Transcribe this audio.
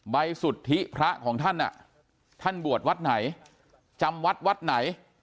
สุทธิพระของท่านท่านบวชวัดไหนจำวัดวัดไหน